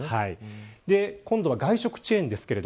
今度は外食チェーンです。